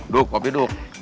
duk kopi duk